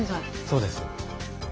そうです。